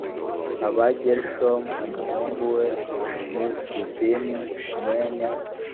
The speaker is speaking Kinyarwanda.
aba gerushomu umuhungu we ni libuni mwene